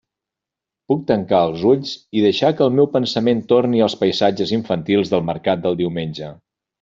Puc tancar els ulls i deixar que el meu pensament torne als paisatges infantils del mercat del diumenge.